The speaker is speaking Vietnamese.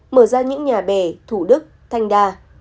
mở ra những nhà bè thủ đức thanh đa